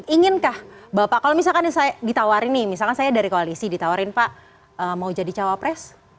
inginkah bapak kalau misalkan ditawarin nih misalkan saya dari koalisi ditawarin pak mau jadi cawapres